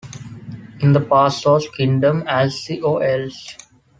In the past was kingdom Alzi or Alshe.